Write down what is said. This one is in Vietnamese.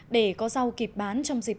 để có rau kịp bán trong dịp